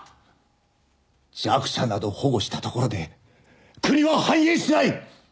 弱者など保護したところで国は繁栄しない！